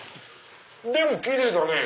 でもキレイだね！